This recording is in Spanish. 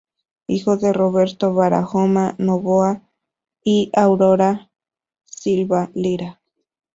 Hijo de Roberto Barahona Novoa y Aurora Silva Lira.